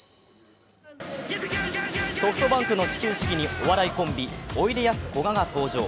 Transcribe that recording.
ソフトバンクの始球式にお笑いコンビ、おいでやすこがが登場。